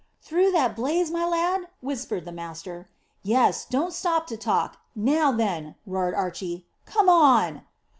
"Through that blaze, my lad?" whispered the master. "Yes. Don't stop to talk. Now, then," roared Archy, "come on!"